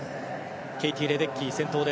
ケイティ・レデッキー、先頭。